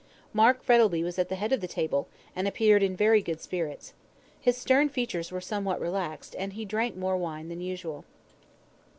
Mark Frettlby was at the head of the table, and appeared in very good spirits. His stern features were somewhat relaxed, and he drank more wine than usual.